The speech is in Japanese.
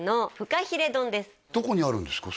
どこにあるんですか？